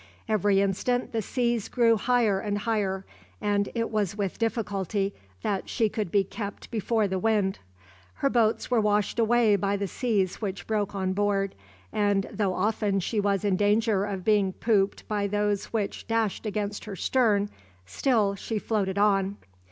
Every instant the seas grew higher and higher, and it was with difficulty that she could be kept before the wind. Her boats were washed away by the seas which broke on board, and though often she was in danger of being pooped by those which dashed against her stern, still she floated on.